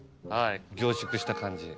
凝縮した感じ。